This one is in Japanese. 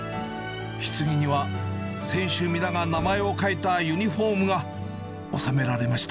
ひつぎには選手皆が名前を書いたユニホームが納められました。